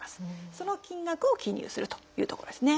その金額を記入するというところですね。